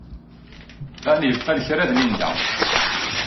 Dan yebḍa lekra d Linda.